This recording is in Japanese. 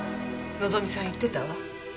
望さん言ってたわ。